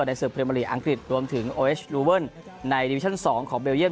ในสุดปริมาลีอังกฤษรวมถึงโอเอชลูเวิลในดิวิชัน๒ของเบลเยี่ยม